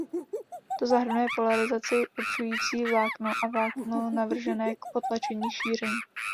To zahrnuje polarizaci určující vlákno a vlákno navržené k potlačení šíření.